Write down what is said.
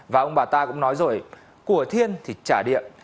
và ông bà ta cũng nói rồi của thiên thì trả điện